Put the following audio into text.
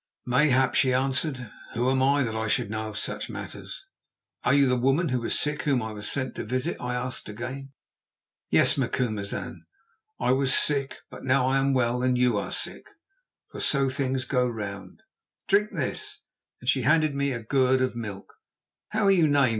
"Mayhap," she answered. "Who am I that I should know of such matters?" "Are you the woman who was sick whom I was sent to visit?" I asked again. "Yes, Macumazahn, I was sick, but now I am well and you are sick, for so things go round. Drink this," and she handed me a gourd of milk. "How are you named?"